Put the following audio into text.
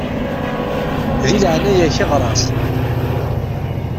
Di leɛnaya-k ɣeṛ-as.